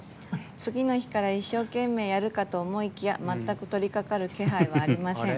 次の日から一生懸命やるかと思いきや全く取りかかる気配がありません。